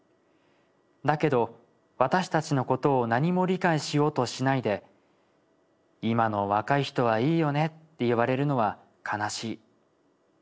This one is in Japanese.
だけど私たちのことを何も理解しようとしないで『今の若い人はいいよね』って言われるのは悲しい。